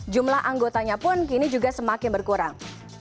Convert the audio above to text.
jumlah anggotanya pun kini juga semakin berkurang